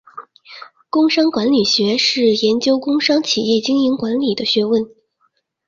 工商管理学是研究工商企业经营管理的学问。